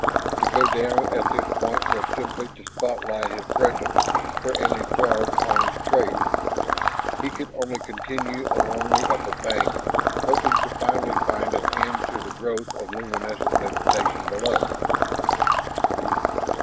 To go down at this point was simply to spotlight his presence for any Throg on his trail. He could only continue along the upper bank, hoping to finally find an end to the growth of luminescent vegetation below.